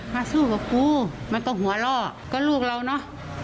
สู้กับกูมันก็หัวล่อก็ลูกเราเนอะ